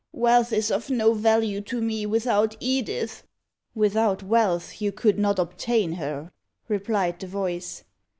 Wealth is of no value to me without Edith." "Without wealth you could not obtain her," replied the voice.